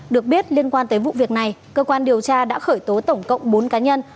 được biết liên quan tới vụ việc này cơ quan điều tra đã khởi tố tổng cộng bốn cá nhân